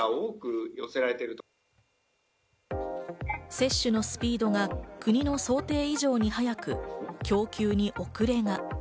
接種のスピードが国の想定以上に早く、供給に遅れが。